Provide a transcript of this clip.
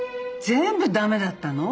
全部ダメだったの？